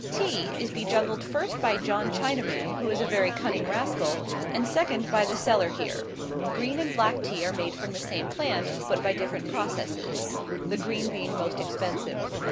Tea is bejuggled first by John Chinaman, who is a very cunning rascal; and second, by the seller here. Green and black tea are made from the same plant, but by different processes the green being most expensive.